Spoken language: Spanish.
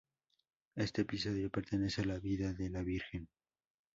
Este episodio pertenece a la vida de la Virgen.